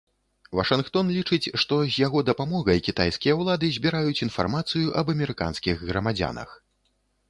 Вашынгтон лічыць, што з яго дапамогай кітайскія ўлады збіраюць інфармацыю аб амерыканскіх грамадзянах.